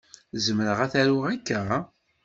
Zemreɣ ad t-aruɣ akka?